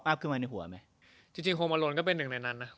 ยาวไปกว่าจะถึง